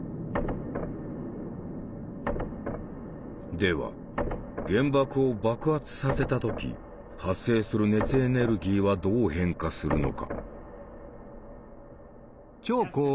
では原爆を爆発させた時発生する熱エネルギーはどう変化するのか。